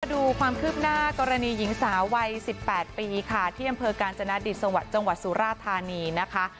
ดูความคืบหน้ากรณีหญิงสาววัย๑๘ปีค่ะที่อำเภอกาญจนาดิตจังหวัดสุราธานีนะคะ